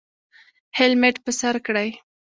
هیلمټ په سر کړئ